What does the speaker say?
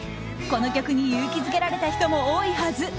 この曲に勇気づけられた人も多いはず。